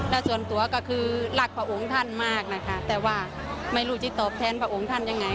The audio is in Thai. และส่วนตัวก็คือรักพระองค์ท่านมากนะคะแต่ว่าไม่รู้จะตอบแทนพระองค์ท่านยังไง